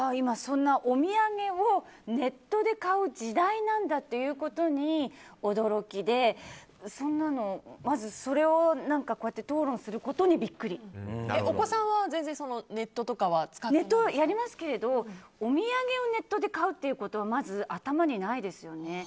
お土産をネットで買う時代なんだっていうことに驚きで、そんなのまずそれを討論することにお子さんは全然ネットとかはネットやりますけどお土産をネットで買うということはまず頭にないですよね。